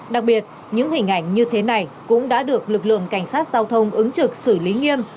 đặc biệt những hình ảnh như thế này cũng đã được lực lượng cảnh sát giao thông ứng trực xử lý nghiêm